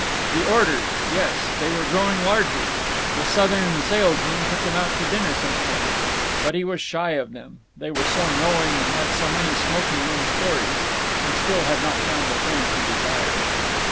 The orders—yes, they were growing larger. The Southern salesmen took him out to dinner sometimes. But he was shy of them. They were so knowing and had so many smoking room stories. He still had not found the friends he desired.